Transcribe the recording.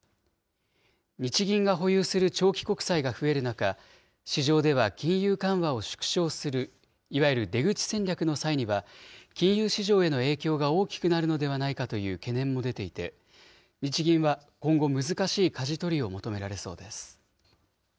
日銀が保有する長期国債が増える中、市場では金融緩和を縮小する、いわゆる出口戦略の際には、金融市場への影響が大きくなるのではないかという懸念も出ていて、日銀は今後、難しいかじ取りを求められそうです。